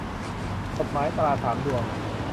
กฎหมายตราสามดวง